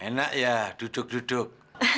enak ya duduk duduk